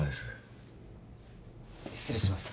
失礼します。